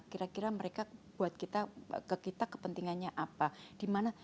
kira kira mereka buat kita kepentingannya apa